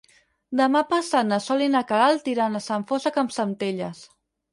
Demà passat na Sol i na Queralt iran a Sant Fost de Campsentelles.